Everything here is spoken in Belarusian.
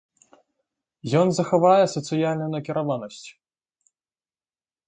Ён захавае сацыяльную накіраванасць.